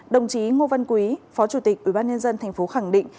đồng chí ngô văn quý phó chủ tịch ubnd tp khẳng định